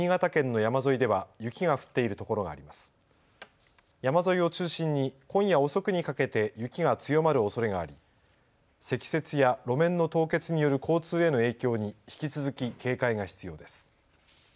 山沿いを中心に今夜遅くにかけて雪が強まるおそれがあり積雪や路面の凍結による交通への影響に引き続き警戒が必要です。